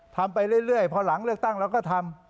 ทำไปเรื่อยพอหลังเลือกตั้งเราก็ทำ